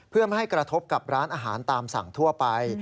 เพื่อไม่ให้กระทบกับร้านอาหารตามสั่งทั่วไป